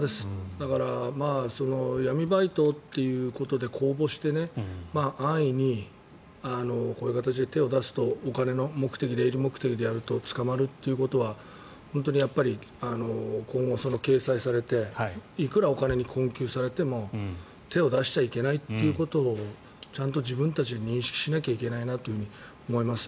だから闇バイトということで公募して安易にこういう形で手を出すとお金目的、営利目的でやると捕まるっていうことは今後、掲載されていくらお金に困窮されても手を出しちゃいけないということをちゃんと自分たちで認識しなきゃいけないなと思います。